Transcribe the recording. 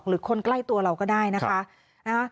คนที่ถูกหลอกหรือคนใกล้ตัวเราก็ได้นะคะ